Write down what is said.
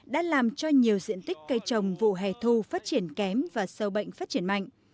đã làm cho nhiều diện tích cây trồng vụ hè thu phát triển kém và sâu bệnh phát triển mạnh